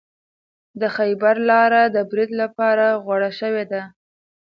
د خیبر لاره د برید لپاره غوره شوې ده.